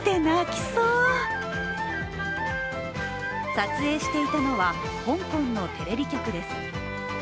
撮影していたのは、香港のテレビ局です。